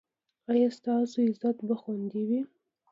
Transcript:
ایا ستاسو عزت به خوندي وي؟